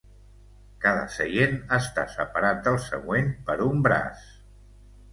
Cada seient està separat del següent per un braç.